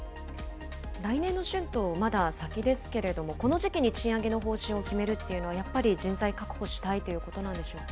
来年の春闘、まだ先ですけれども、この時期に賃上げの方針を決めるっていうのは、やっぱり人材確保したいということなんでしょうか。